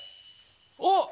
あっ！